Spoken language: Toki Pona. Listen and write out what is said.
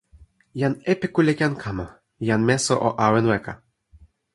jan epiku li ken kama. jan meso o awen weka.